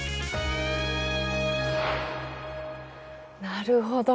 なるほど。